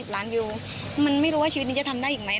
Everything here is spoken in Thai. ล้านวิวมันไม่รู้ว่าชีวิตนี้จะทำได้อีกไหม